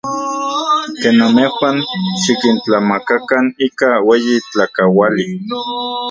Ken namejuan, xikintlamakakan ika ueyi tlakauali.